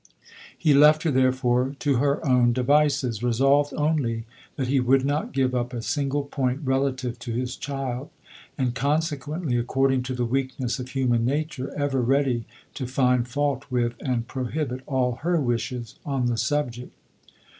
He left her therefore to her own devices, resolved only that he would not give up a single point relative to his child, and consequently, according to the weakness of human nature, ever ready to find fault with and prohibit all her wishes on the subject.